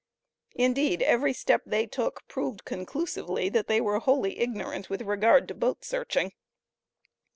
Indeed every step they took proved conclusively that they were wholly ignorant with regard to boat searching.